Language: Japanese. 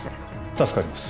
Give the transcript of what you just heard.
助かります